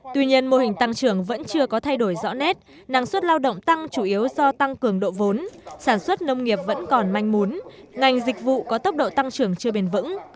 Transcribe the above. tuy nhiên mô hình tăng trưởng vẫn chưa có thay đổi rõ nét năng suất lao động tăng chủ yếu do tăng cường độ vốn sản xuất nông nghiệp vẫn còn manh muốn ngành dịch vụ có tốc độ tăng trưởng chưa bền vững